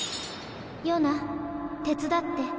ヨナ手伝って。